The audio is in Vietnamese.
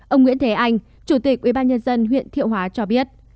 ông nguyễn thế anh chủ tịch ubnd huyện thiệu hóa cho biết